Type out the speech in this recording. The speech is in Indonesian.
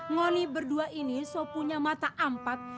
ngoni berdua ini so punya mata ampat